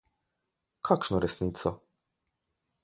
Kakšno resnico?